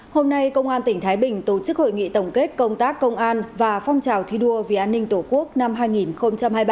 hôm nay công an tỉnh thái bình tổ chức hội nghị tổng kết công tác công an và phong trào thi đua vì an ninh tổ quốc năm hai nghìn hai mươi ba